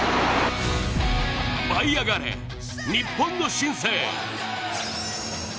舞い上がれ、日本の新星。